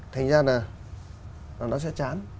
thành ra là nó sẽ chán